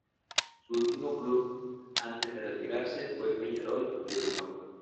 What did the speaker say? Su último club antes de retirarse fue Peñarol de Uruguay.